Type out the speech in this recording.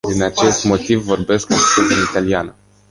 Din acest motiv, vorbesc astăzi în italiană.